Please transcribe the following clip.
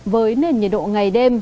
với nền nhiệt độ ngày đêm